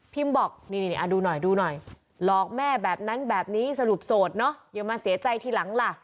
บอกนี่ดูหน่อยดูหน่อยหลอกแม่แบบนั้นแบบนี้สรุปโสดเนอะอย่ามาเสียใจทีหลังล่ะ